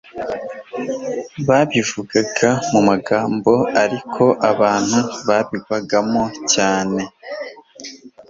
babivugaga mu magambo ariko abantu babigwagamo cyane